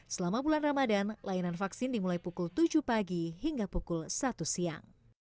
selama bulan ramadan layanan vaksin dimulai pukul tujuh pagi hingga pukul satu siang